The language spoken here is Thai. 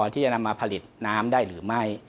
ที่จะนำมาผลิตน้ำได้หรือไม่